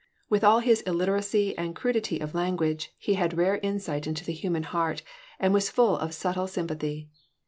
With all his illiteracy and crudity of language he had rare insight into the human heart and was full of subtle sympathy.